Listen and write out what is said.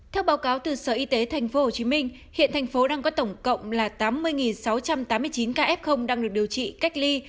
theo báo cáo từ sở y tế tp hcm hiện thành phố đang có tổng cộng là tám mươi sáu trăm tám mươi chín ca f đang được điều trị cách ly